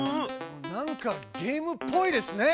なんかゲームっぽいですね。